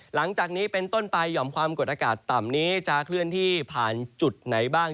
หลังจากนี้เป็นต้นไปหย่อมความกดอากาศต่ำนี้จะเคลื่อนที่ผ่านจุดไหนบ้าง